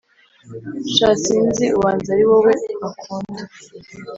Sha sinzi ubanza ariwowe akunda